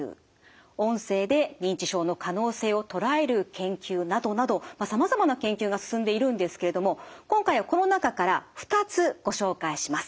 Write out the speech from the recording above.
音声で認知症の可能性を捉える研究などなどさまざまな研究が進んでいるんですけれども今回はこの中から２つご紹介します。